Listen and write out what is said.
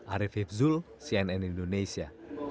arief hibzul cnn indonesia